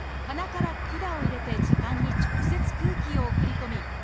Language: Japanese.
鼻から管を入れて耳管に直接空気を送り込み